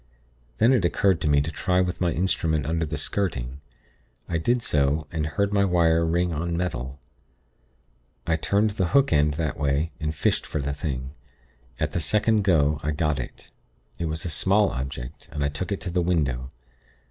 Then it occurred to me to try with my instrument under the skirting. I did so, and heard my wire ring on metal. I turned the hook end that way, and fished for the thing. At the second go, I got it. It was a small object, and I took it to the window.